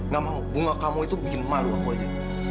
gak mau bunga kamu itu bikin malu aku aja